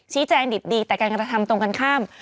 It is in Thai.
ชี้แจงดิบดีแต่การกระทำตรงกันข้าม